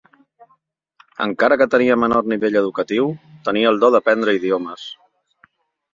Encara que tenia menor nivell educatiu, tenia el do d'aprendre idiomes.